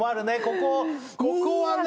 ここはね